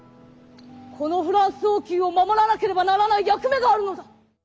このフランス王宮を守らなければならない役目があるのだ。